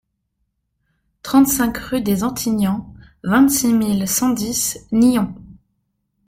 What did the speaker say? trente-cinq rue des Antignans, vingt-six mille cent dix Nyons